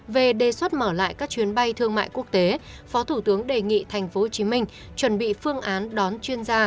về đề xuất mở lại các chuyến bay thương mại quốc tế phó thủ tướng đề nghị tp hcm chuẩn bị phương án đón chuyên gia